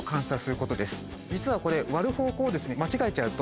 実はこれ。